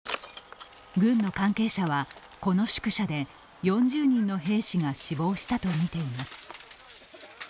軍の関係者は、この宿舎で４０人の兵士が死亡したとみています。